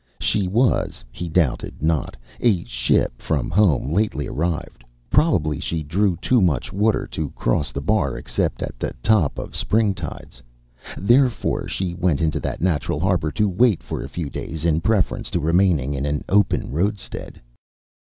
She was, he doubted not, a ship from home lately arrived. Probably she drew too much water to cross the bar except at the top of spring tides. Therefore she went into that natural harbor to wait for a few days in preference to remaining in an open roadstead.